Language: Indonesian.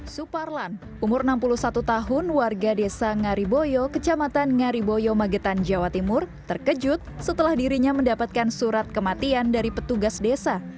suparlan umur enam puluh satu tahun warga desa ngariboyo kecamatan ngariboyo magetan jawa timur terkejut setelah dirinya mendapatkan surat kematian dari petugas desa